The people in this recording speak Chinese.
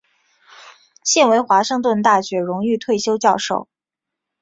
现为华盛顿大学荣誉退休教授。